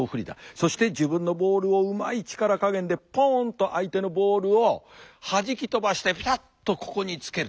そして自分のボールをうまい力加減でポンと相手のボールをはじき飛ばしてピタッとここにつける。